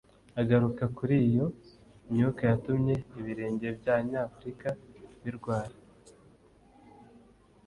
Agaruka kuri iyo myuka yatumye ibirenge by’anyafurika birwara